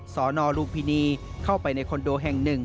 สนลุมพินีเข้าไปในคอนโดแห่งหนึ่ง